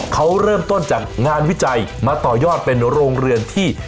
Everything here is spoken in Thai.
เขาเริ่มต้นจากงานวิจัยมาต่อยอดเป็นโรงเรือนที่